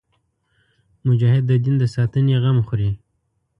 مجاهد د دین د ساتنې غم خوري.